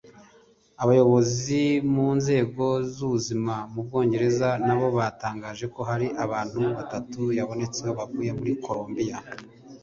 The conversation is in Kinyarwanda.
Abayobozi mu nzego z’ubuzima mu Bwongereza nabo batangaje ko hari abantu batatu yabonetseho bavuye muri Colombia